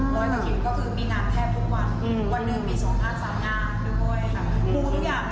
ร้อยกว่าคิวก็คือมีงานแทบทุกวันวันหนึ่งมีสองท่าสามงานด้วยมูลทุกอย่าง